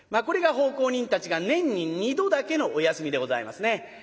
これが奉公人たちが年に２度だけのお休みでございますね。